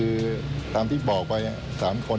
สวัสดีครับทุกคน